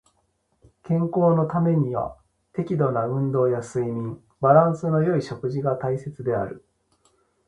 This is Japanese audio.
健康のためには適度な運動や睡眠、バランスの良い食事が大切である。